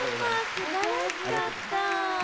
すばらしかった。